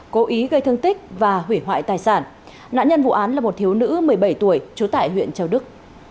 cố ý gây thương tích và hủy hoại tài sản nạn nhân vụ án là một thiếu nữ một mươi bảy tuổi trú tại huyện châu đức